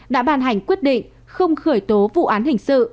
đã ban hành quyết định không khởi tố vụ án hình sự